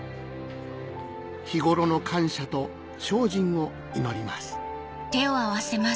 日頃の感謝と精進を祈ります